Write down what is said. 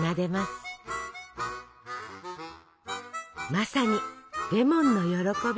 まさに「レモンの歓び」！